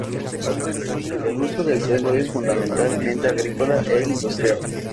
El uso del suelo es fundamentalmente agrícola e industrial.